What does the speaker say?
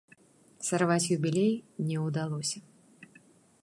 Сарваць юбілей не ўдалося.